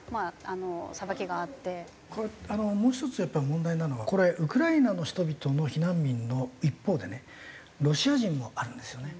これもう１つやっぱり問題なのはこれウクライナの人々の避難民の一方でねロシア人もあるんですよね。